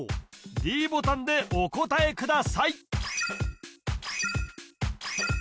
ｄボタンでお答えください